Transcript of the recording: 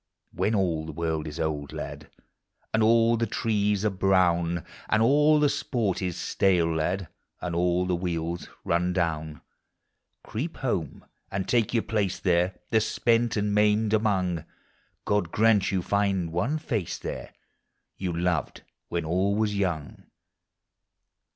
When all the world is old, lad, And all the trees are brown; And all the sport is stale, lad, And all the wheels run down : Creep home, and take your place there, The spent and maimed among: God grant you find one face there You loved when all was young.